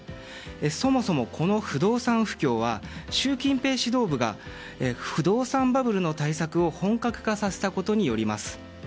そもそも、この不動産不況は習近平指導部が不動産バブルの対策を本格化させたことによります。